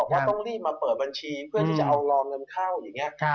ต้องรีบมาเปิดบัญชีเพื่อจะทานอนเงินเข้า